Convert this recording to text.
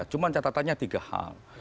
cuma catatannya tiga hal